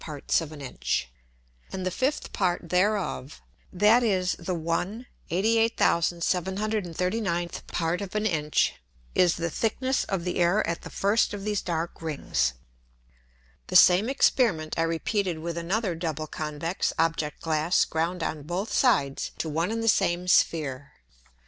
Parts of an Inch; and the fifth Part thereof, viz. the 1/88739 Part of an Inch, is the Thickness of the Air at the first of these dark Rings. The same Experiment I repeated with another double convex Object glass ground on both sides to one and the same Sphere.